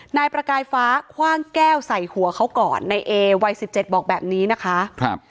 นายประกายฟ้าคว่างแก้วใส่หัวเขาก่อนนายเอวัยสิบเจ็ดบอกแบบนี้นะคะครับ